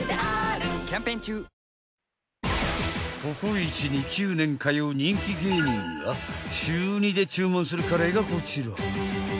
［ココイチに９年通う人気芸人が週２で注文するカレーがこちら］